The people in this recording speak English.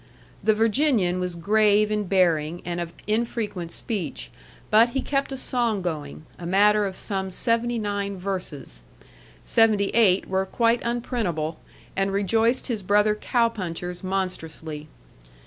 The Virginian was grave in bearing and of infrequent speech; but he kept a song going a matter of some seventy nine verses. Seventy eight were quite unprintable, and rejoiced his brother cow punchers monstrously.